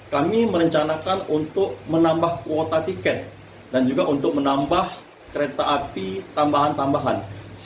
kami merencanakan untuk menambah kuota tiket dan juga untuk menambah kereta api tambahan tambahan